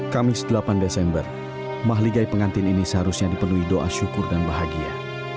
kamis delapan desember mahligai pengantin ini seharusnya dipenuhi doa syukur dan bahagia